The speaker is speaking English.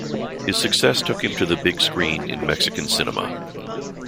His success took him to the big screen in Mexican Cinema.